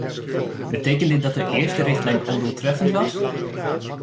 Betekent dit dat de eerste richtlijn ondoeltreffend was?